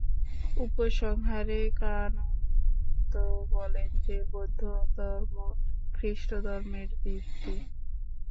উপসংহারে কানন্দ বলেন যে, বৌদ্ধধর্ম খ্রীষ্টধর্মের ভিত্তি।